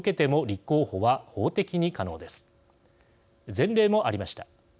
前例もありました。